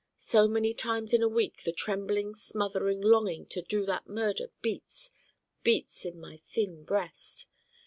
So many times in a week the trembling smothering longing to do that Murder beats, beats in my thin breast.